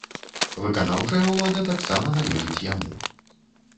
Выканаўчая ўлада таксама належыць яму.